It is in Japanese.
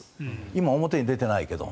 今、表に出ていないけど。